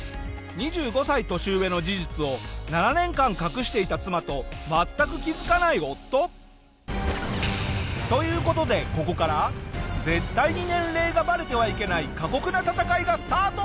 ２５歳年上の事実を７年間隠していた妻と全く気づかない夫。という事でここから絶対に年齢がバレてはいけない過酷な闘いがスタート！